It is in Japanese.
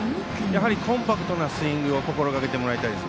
コンパクトなスイングを心がけてもらいたいです。